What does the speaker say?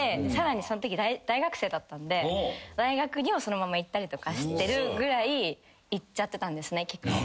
さらにそんとき大学生だったんで大学にもそのまま行ったりとかしてるぐらい行っちゃってたんです。